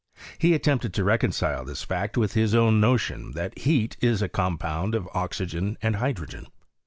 He attempted to reconcile this fact with his own notion, that heat is a compound of oxygen and hydrogen.